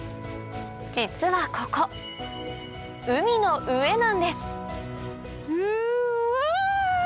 実はここ海の上なんですうわ！